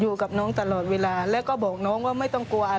อยู่กับน้องตลอดเวลาแล้วก็บอกน้องว่าไม่ต้องกลัวอะไร